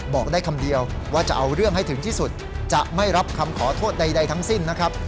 บอกได้คำเดียวว่าจะเอาเรื่องให้ถึงที่สุดจะไม่รับคำขอโทษใดทั้งสิ้นนะครับ